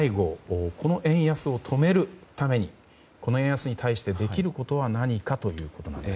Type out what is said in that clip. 最後この円安を止めるためにこの円安に対してできることは何かと。